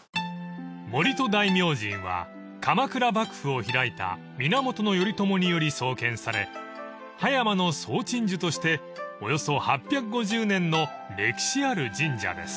［森戸大明神は鎌倉幕府を開いた源頼朝により創建され葉山の総鎮守としておよそ８５０年の歴史ある神社です］